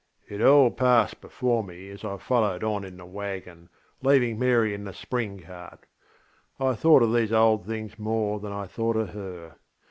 It all passed before me as I followed on in the waggon, behind Mary in the spring cart. I thought of these old things more than I thought of her.